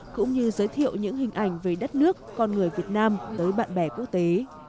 cũng như giới thiệu những hình ảnh về đất nước con người việt nam tới bạn bè quốc tế